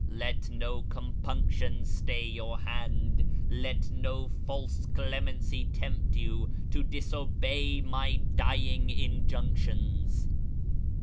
Let no compunction stay your hand ; let no false clemency tempt you to disobey my dying injunctions."